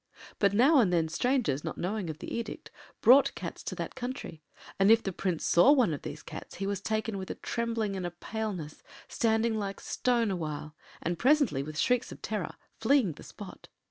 But now and then strangers, not knowing of the edict, brought cats to that country, and if the Prince saw one of these cats he was taken with a trembling and a paleness, standing like stone awhile, and presently, with shrieks of terror, fleeing the spot.